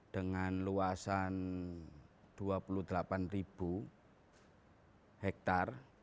dengan luasan dua puluh delapan hektare